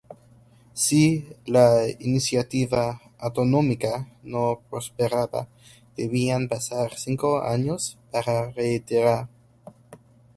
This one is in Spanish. Si la iniciativa autonómica no prosperaba, debían pasar cinco años para reiterar.